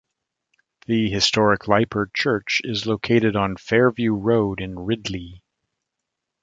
The historic Lieper church is located on Fairview Road in Ridley.